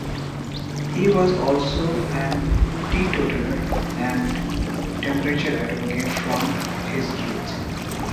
He was also and teetotaler and temperance advocate from his youth.